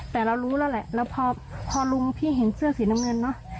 แต่เรารู้แล้วแหละแล้วพอลุงพี่เห็นเสื้อสีน้ำเงินเนอะ